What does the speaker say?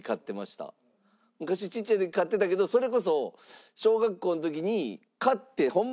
昔ちっちゃい時飼ってたけどそれこそ小学校の時に飼ってホンマ